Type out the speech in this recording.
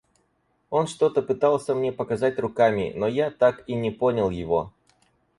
Он что-то пытался мне показать руками, но я так и не понял его.